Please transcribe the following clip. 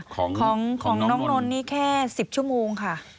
ของน้องนนท์นี่แค่๑๐ชั่วโมงค่ะ